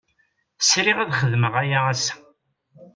Sriɣ ad xedmeɣ aya ass-a.